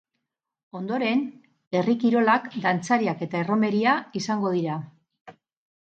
Ondoren, herri kirolak, dantzariak eta erromeria izango dira.